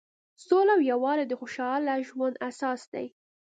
سوله او یووالی د خوشحاله ژوند اساس دی.